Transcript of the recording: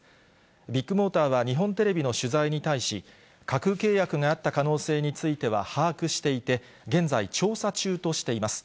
ビッグモーターは日本テレビの取材に対し、架空契約があった可能性については把握していて、現在、調査中としています。